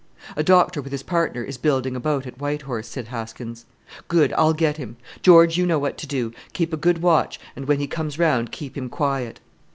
"A doctor with his partner is building a boat at White Horse," said Haskins. "Good! I'll get him! George, you know what to do. Keep a good watch, and when he comes round keep him quiet."